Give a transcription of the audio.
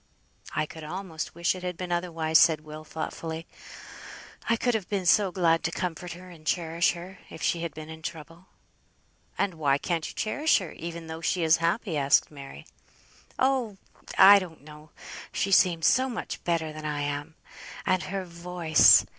"I could almost wish it had been otherwise," said Will, thoughtfully. "I could have been so glad to comfort her, and cherish her, if she had been in trouble." "And why can't you cherish her, even though she is happy?" asked Mary. "Oh! I don't know. She seems so much better than I am! And her voice!